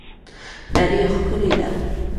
نړۍ ښکلې ده